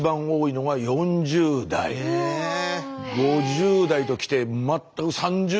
５０代ときてまた３０代。